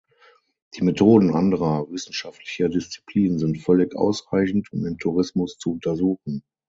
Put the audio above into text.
Die Methoden anderer wissenschaftlicher Disziplinen sind völlig ausreichend, um den Tourismus zu untersuchen.